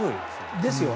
ですよね。